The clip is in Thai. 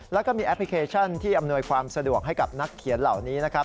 แล้วก็มีแอปพลิเคชันที่อำนวยความสะดวกให้กับนักเขียนเหล่านี้นะครับ